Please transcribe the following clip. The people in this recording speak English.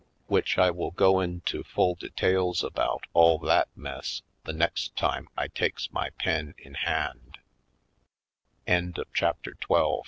Which I will go into full details about all that mess the next time I takes my pen in h